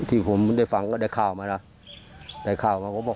ที่ผมได้ฟังก็ได้ค่าเข้าทำน่ะ